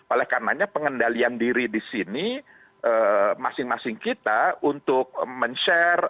oleh karenanya pengendalian diri di sini masing masing kita untuk men share